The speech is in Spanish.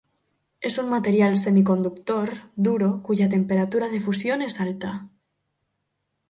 Es un material semiconductor, duro, cuya temperatura de fusión es alta.